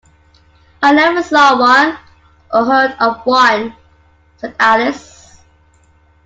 ‘I never saw one, or heard of one,’ said Alice.